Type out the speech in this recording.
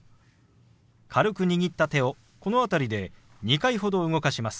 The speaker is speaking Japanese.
軽く握った手をこの辺りで２回ほど動かします。